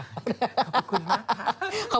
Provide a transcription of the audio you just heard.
ขอบคุณค่ะ